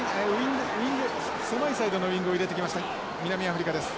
狭いサイドのウイングを入れてきました南アフリカです。